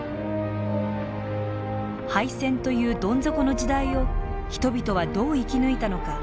敗戦というどん底の時代を人々はどう生き抜いたのか。